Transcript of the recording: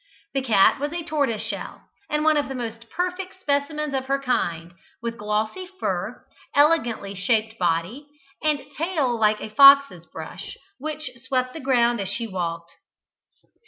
The cat was a tortoise shell, and one of the most perfect specimens of her kind; with glossy fur, elegantly shaped body, and tail like a fox's brush, which swept the ground as she walked.